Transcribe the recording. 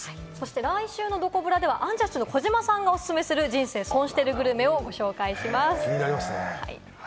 来週のどこブラではアンジャッシュの児嶋さんがおすすめする人生損してるグルメをご紹介します。